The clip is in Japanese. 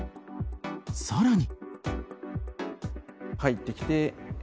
さらに。